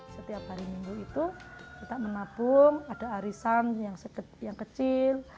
setiap hari minggu itu kita menabung ada arisan yang kecil